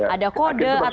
ada kode atau apa